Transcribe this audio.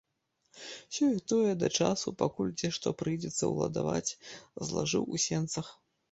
Сёе-тое да часу, пакуль дзе што прыйдзецца ўладаваць, злажыў у сенцах.